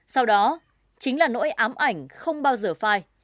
sau đó chính là nỗi ám ảnh không bao giờ phai